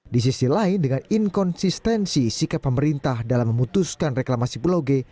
di sisi lain dengan inkonsistensi sikap pemerintah dalam memutuskan reklamasi pulau g